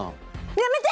やめて！